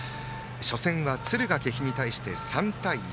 初戦は敦賀気比に対して３対１。